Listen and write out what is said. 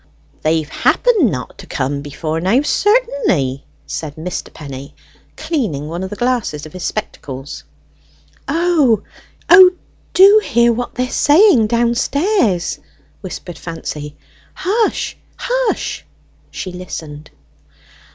"They've happened not to come, before now, certainly," said Mr. Penny, cleaning one of the glasses of his spectacles. "O, do hear what they are saying downstairs," whispered Fancy. "Hush, hush!" She listened.